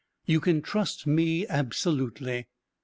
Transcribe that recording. You can trust me absolutely."